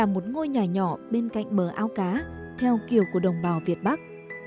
mở áo cá theo kiểu của đồng bào việt bắc